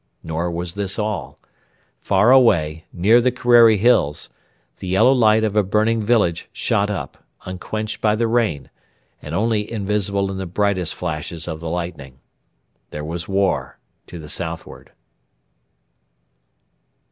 Nor was this all. Far away, near the Kerreri Hills, the yellow light of a burning village shot up, unquenched by the rain, and only invisible in the brightest flashes of the lightning. There was war to the southward.